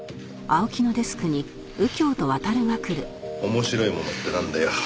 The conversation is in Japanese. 面白いものってなんだよ？